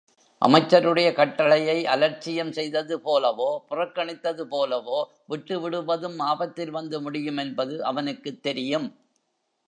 அமைச்சருடைய கட்டளையை அலட்சியம் செய்தது போலவோ, புறக்கணித்தது போலவோ, விட்டுவிடுவதும் ஆபத்தில் வந்து முடியும் என்பது அவனுக்குத் தெரியும்.